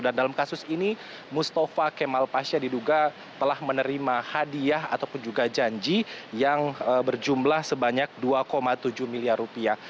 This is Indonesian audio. dan dalam kasus ini mustafa kemal pasha diduga telah menerima hadiah ataupun juga janji yang berjumlah sebanyak dua tujuh miliar rupiah